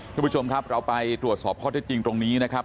คุณผู้ชมครับเราไปตรวจสอบข้อเท็จจริงตรงนี้นะครับ